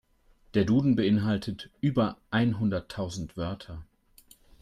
Der Duden beeinhaltet über einhunderttausend Wörter.